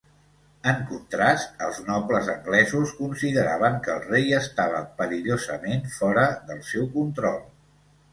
En contrast, els nobles anglesos consideraven que el rei estava perillosament fora del seu control.